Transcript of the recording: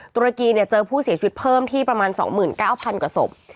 ตุรกีเจอผู้เสียชีวิตเพิ่มที่ประมาณ๒๙๐๐กว่าศพ